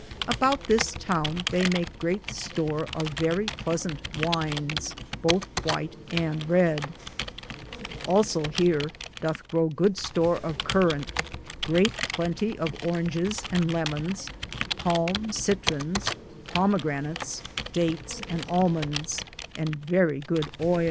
Aboute this toune theye make greate store of verrie pleasante wynes, bothe whyte and reed. Also heare dothe grow good store of Currante, greate plentie of orringis and lemons, palm sidrons, palm gametes (pomegranates), dates and almons, and verrie good ayle (oil).